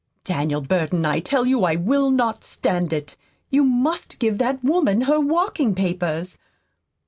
Daniel Burton, I tell you I will not stand it. You MUST give that woman her walking papers.